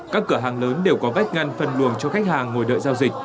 các cửa hàng lớn đều có vách ngăn phân luồng cho khách hàng ngồi đợi giao dịch